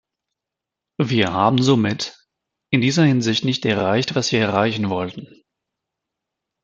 Wir haben somit in dieser Hinsicht nicht erreicht, was wir erreichen wollten.